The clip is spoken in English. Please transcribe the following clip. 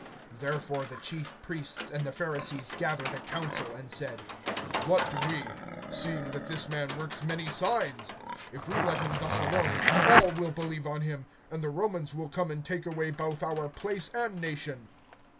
(47)Therefore the chief priests and the Pharisees gathered a council, and said: What do we, seeing that this man works many signs? (48)If we let him thus alone, all will believe on him; and the Romans will come and take away both our place and nation.